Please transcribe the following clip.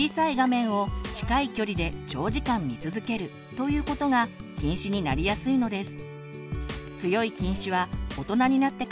ということが近視になりやすいのです。